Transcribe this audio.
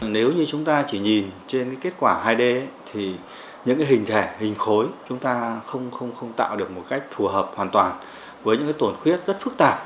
nếu như chúng ta chỉ nhìn trên kết quả hai d thì những hình thể hình khối chúng ta không tạo được một cách phù hợp hoàn toàn với những tổn khuyết rất phức tạp